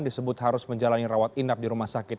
disebut harus menjalani rawat inap di rumah sakit